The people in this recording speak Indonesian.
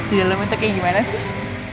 di dalam itu kayak gimana sih